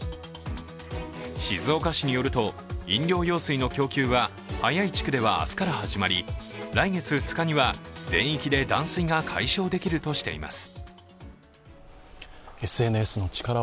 静岡市によると、飲料用水の供給は早い地区では明日から始まり来月２日には全域で断水が解消できるとしています。